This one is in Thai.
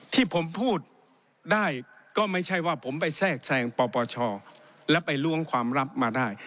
ที่ผมพูดได้ก็ไม่ใช่ว่าผมไปแทรกแทรงปปชและไปล้วงความลับมาได้